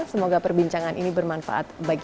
semoga perbincangan ini bermanfaat